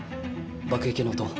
爆撃の音。